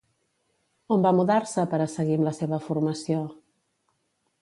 On va mudar-se per a seguir amb la seva formació?